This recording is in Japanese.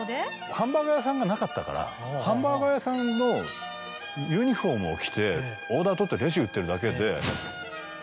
ハンバーガー屋さんがなかったからハンバーガー屋さんのユニホームを着てオーダー取ってレジ打ってるだけで。